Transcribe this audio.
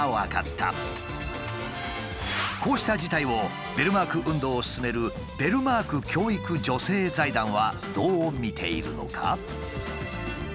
こうした事態をベルマーク運動をすすめるベルマーク教育助成財団はどう見ているのか？